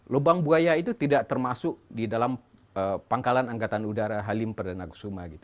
lubang buaya itu tidak termasuk di dalam pangkalan angkatan udara halim perdana kusuma